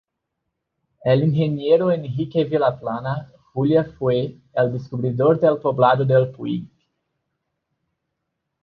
El ingeniero Enrique Vilaplana Juliá fue el descubridor del poblado del Puig.